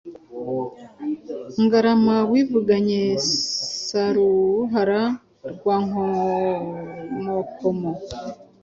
Ngarama wivuganye Saruhara rwa Nkomokomo,